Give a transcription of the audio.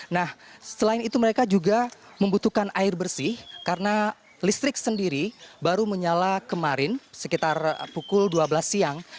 nah selain itu mereka juga membutuhkan air bersih karena listrik sendiri baru menyala kemarin sekitar pukul dua belas siang